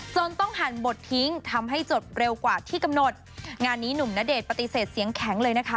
จนต้องหั่นบททิ้งทำให้จดเร็วกว่าที่กำหนดงานนี้หนุ่มณเดชน์ปฏิเสธเสียงแข็งเลยนะคะ